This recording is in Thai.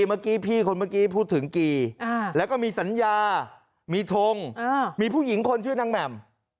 เมื่อกี้พี่คนเมื่อกี้พูดถึงกีแล้วก็มีสัญญามีทงมีผู้หญิงคนชื่อนางแหม่ม